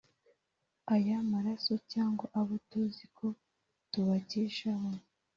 a y’amaraso cyangwa abo tuzi ko tubakeshaho